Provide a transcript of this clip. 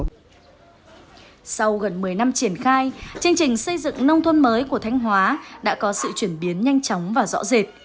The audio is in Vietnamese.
sau gần một mươi năm triển khai chương trình xây dựng nông thôn mới của thanh hóa đã có sự chuyển biến nhanh chóng và rõ rệt